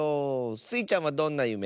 スイちゃんはどんなゆめ？